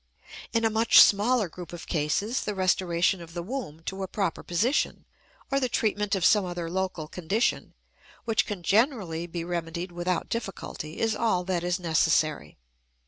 In a much smaller group of cases the restoration of the womb to a proper position or the treatment of some other local condition, which can generally be remedied without difficulty, is all that is necessary.